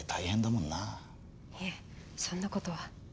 いえそんな事は。